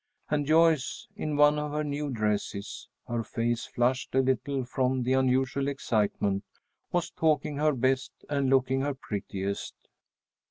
And Joyce, in one of her new dresses, her face flushed a little from the unusual excitement, was talking her best and looking her prettiest.